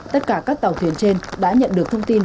tất cả các tàu thuyền trên đã nhận được thông tin